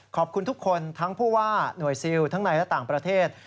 ขอบคุณทุกคนทั้งผู้ว่าหน่วยซิลทั้งในและต่างประเทศ